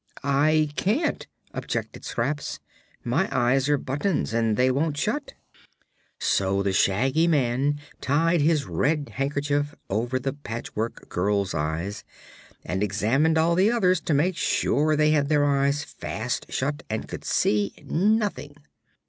"I can't," objected Scraps. "My eyes are buttons, and they won't shut." So the Shaggy Man tied his red handkerchief over the Patchwork Girl's eyes and examined all the others to make sure they had their eyes fast shut and could see nothing.